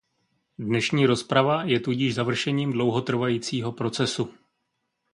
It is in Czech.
Dnešní rozprava je tudíž završením dlouhotrvajícího procesu.